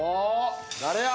誰や？